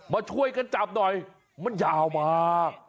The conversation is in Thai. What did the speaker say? มาช่วยกันจับหน่อยมันยาวมาก